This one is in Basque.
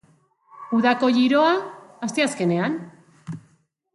Udako giroa, asteazkenean.